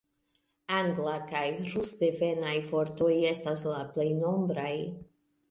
Angla- kaj rus-devenaj vortoj estas la plej nombraj.